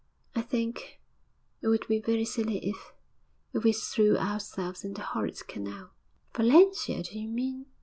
'I think it would be very silly if if we threw ourselves in the horrid canal.' 'Valentia, do you mean